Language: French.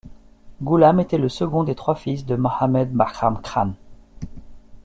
Ghoulam était le second des trois fils de Mouhammad Bahram Khan.